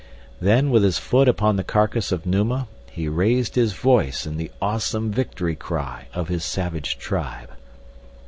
Then with his foot upon the carcass of Numa, he raised his voice in the awesome victory cry of his savage tribe.